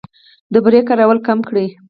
د بورې کارول کم کړئ.